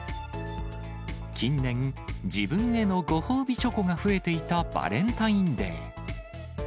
近年、自分へのご褒美チョコが増えていたバレンタインデー。